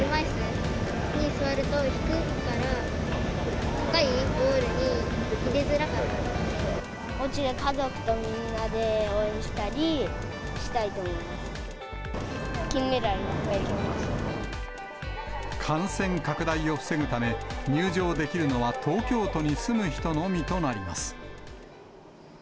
金メダルをいっぱいとってほ感染拡大を防ぐため、入場できるのは東京都に住む人のみとなります。